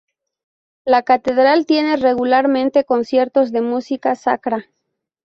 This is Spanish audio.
La Catedral tiene regularmente conciertos de música sacra.